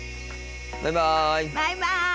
バイバイ。